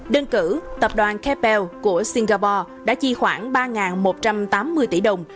đơn cử tập đoàn kepel của singapore đã chi khoảng ba một trăm tám mươi tỷ đồng